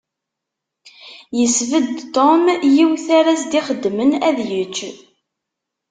Yesbedd Tom yiwet ara s-d-ixeddmen ad yečč.